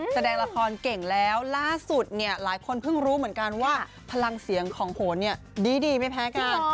แสดงละครเก่งแล้วล่าสุดเนี่ยหลายคนเพิ่งรู้เหมือนกันว่าพลังเสียงของโหนเนี่ยดีไม่แพ้กัน